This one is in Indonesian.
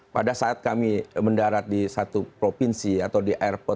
pada saat kami mendarat di satu provinsi atau di airport